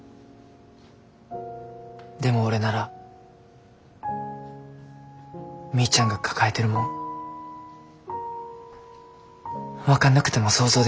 でも俺ならみーちゃんが抱えてるもん分かんなくても想像できる。